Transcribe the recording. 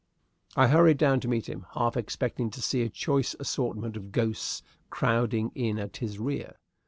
I hurried down to meet him, half expecting to see a choice assortment of ghosts crowding in at his rear.